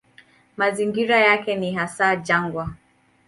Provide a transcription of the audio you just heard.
Mazingira yake ni hasa jangwa.